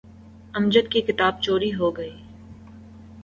امجد کی کتاب چوری ہو گئی۔